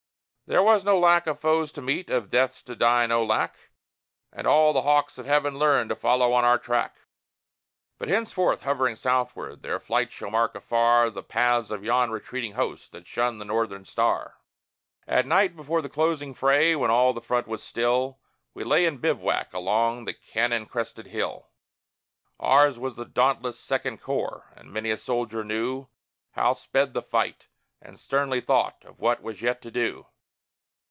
There was no lack of foes to meet, of deaths to die no lack, And all the hawks of heaven learned to follow on our track; But henceforth, hovering southward, their flight shall mark afar The paths of yon retreating hosts that shun the northern star. At night, before the closing fray, when all the front was still, We lay in bivouac along the cannon crested hill. Ours was the dauntless Second Corps; and many a soldier knew How sped the fight, and sternly thought of what was yet to do.